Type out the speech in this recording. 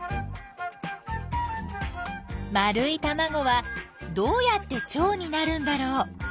丸いたまごはどうやってチョウになるんだろう？